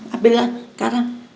ambil lah sekarang